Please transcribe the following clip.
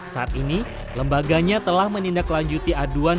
saat ini lembaganya telah menindaklanjuti aduan